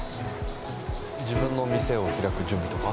自分の店を開く準備とか。